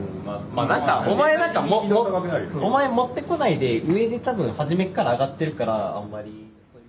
お前なんかお前持ってこないで上で多分初めっから上がってるからあんまり。